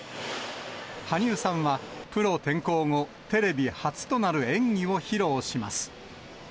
羽生さんはプロ転向後、テレビ初となる演技を披露します。